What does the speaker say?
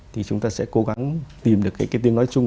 thì chúng ta sẽ cố gắng tìm được cái tiếng nói chung